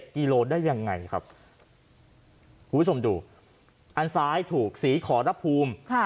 ๖๑กิโลได้ยังไงครับนั้นสำดุอันซ้ายถูกศรีข่อนับภูมิ